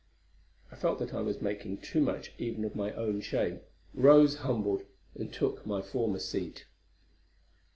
I felt that I was making too much even of my own shame, rose humbled, and took my former seat.